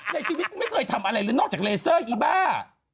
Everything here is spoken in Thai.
ในชีวิตกูไม่เคยทำอะไรเลยนอกจากเลเซอร์อีบ้า